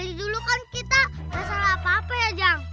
itu kan kita tak salah apa apa ya jang